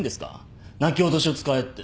泣き落としを使えって？